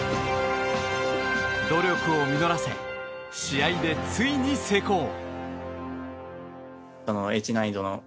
努力を実らせ試合でついに成功！